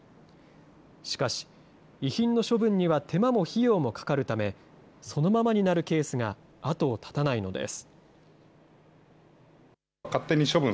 しかし、遺品の処分には手間も費用もかかるため、そのままになるケースが後を絶たないのです。